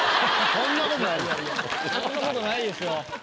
そんな事ないですよ。